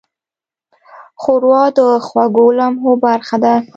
ښوروا د خوږو لمحو برخه ده.